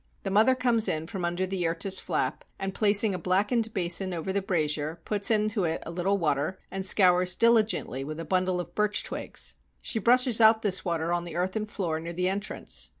The mother comes in from under the yurta's flap, and, placing a blackened basin over the brazier, puts into it a little water and scours diligently with a bundle of birch twigs. She brushes out this water on the earthen floor near the entrance.